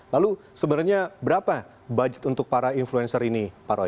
lalu sebenarnya berapa budget untuk para influencer ini pak roy